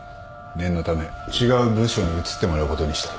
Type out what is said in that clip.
念のため違う部署に移ってもらうことにした。